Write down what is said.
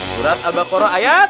surat al baqarah ayat